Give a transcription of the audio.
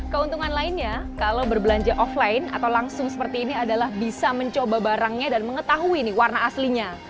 keuntungan lainnya kalau berbelanja offline atau langsung seperti ini adalah bisa mencoba barangnya dan mengetahui warna aslinya